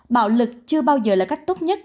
bạo lực chưa bao giờ là cách tốt nhất